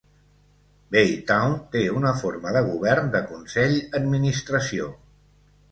Baytown té una forma de govern de consell-administració.